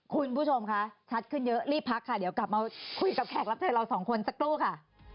คุณผู้ชมคะชัดขึ้นเยอะรีบพักค่ะเดี๋ยวกลับมาคุยกับแขกรับเชิญเราสองคนสักครู่ค่ะ